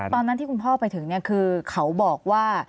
ตอนนั้นที่คุณพ่อไปถึงเนี่ยคือเขาบอกว่า